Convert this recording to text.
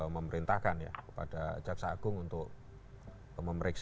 memerintahkan ya kepada jaksa agung untuk memeriksa